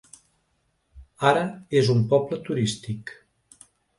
Ara és un poble turístic.